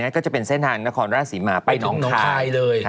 ก็เป็นเส้นทางนครราชสีมาไปนองคาย